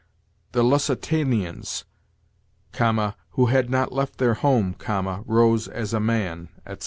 'The Lusitanians(,) who had not left their home(,) rose as a man,' etc.